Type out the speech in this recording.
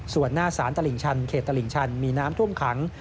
ส่วนหน้าสารตลิ่งชันเขตตลิ่งชันมีน้ำท่วมขัง